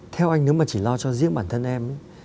theo anh nếu mà chỉ lo cho riêng bản thân em ấy